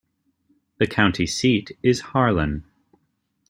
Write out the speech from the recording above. The county seat is Harlan.